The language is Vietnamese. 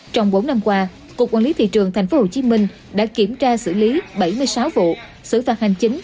trong bốn năm qua cục quản lý thị trường tp hcm đã kiểm tra xử lý bảy mươi sáu vụ xử phạt hành chính